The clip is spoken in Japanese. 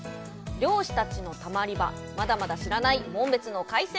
漁師たちのたまり場、まだまだ知らない紋別の海鮮。